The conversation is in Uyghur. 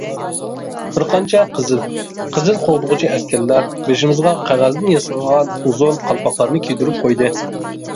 بىر قانچە قىزىل قىزىل قوغدىغۇچى ئەسكەرلەر بېشىمىزغا قەغەزدىن ياسالغان ئۇزۇن قالپاقلارنى كىيدۈرۈپ قويدى.